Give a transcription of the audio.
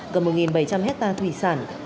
gần một bảy trăm linh hecta thủy sản